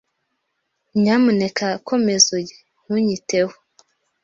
Nyamuneka komeza urye. Ntunyiteho.